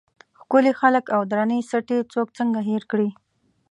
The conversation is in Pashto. ښکلي خلک او درنې سټې څوک څنګه هېر کړي.